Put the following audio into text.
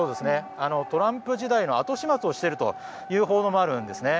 トランプ時代の後始末をしているという報道もあるんですね。